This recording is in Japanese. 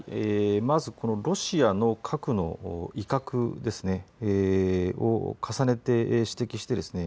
まず、ロシアの核の威嚇を重ねて指摘してですね